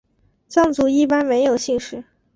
藏族一般没有姓氏。